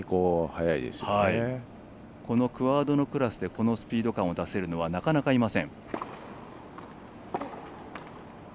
このクアードのクラスでこのスピードを出せるのはなかなか、いません。